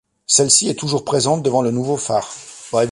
Celle-ci est toujours présente devant le nouveau phare.